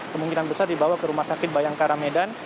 kemungkinan besar dibawa ke rumah sakit bayangkara medan